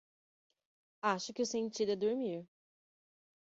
acho que o sentido é dormir.